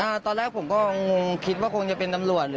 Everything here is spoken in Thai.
ตอนแรกผมก็งงคิดว่าคงจะเป็นตำรวจหรือ